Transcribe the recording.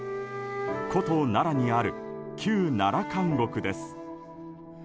古都・奈良にある旧奈良監獄です。